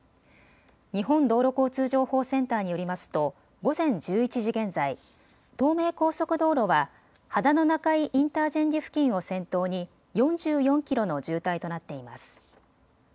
日本道路交通情報センターによりますと午前１１時現在、東名高速道路は秦野中井インターチェンジ付近を先頭に４４キロの渋滞となっています。